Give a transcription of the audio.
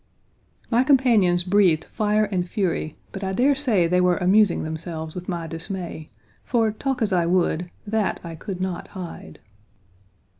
My companions breathed fire and fury, but I dare say they were amusing themselves with my dismay, for, talk as I would, that I could not hide.